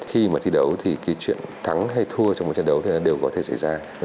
khi mà thi đấu thì chuyện thắng hay thua trong một trận đấu đều có thể xảy ra